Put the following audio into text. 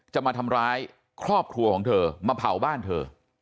จะมาทำร้ายครอบครัวของเธอมาเผาบ้านเธอ